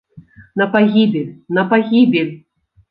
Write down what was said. На пагібель, на пагібель!